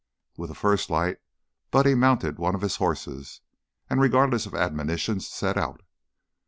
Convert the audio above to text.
With the first light Buddy mounted one of his horses, and, regardless of admonitions, set out.